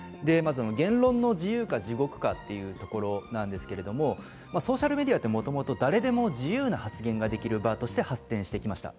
言論の自由か地獄かというところなんですがソーシャルメディアって、誰でも自由な発言ができる場として発展してきましはた。